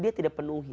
dia tidak penuhi